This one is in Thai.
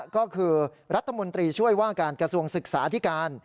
ก็คือรัฐมนตรีช่วยว่าการกระทรวงศึกษาที่การ